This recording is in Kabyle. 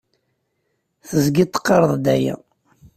Teẓgiḍ teqqareḍ-d aya.